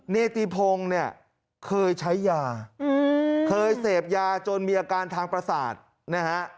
เนติพงศ์เนี่ยเคยใช้ยาเคยเสพยาจนมีอาการทางประสาทนะฮะ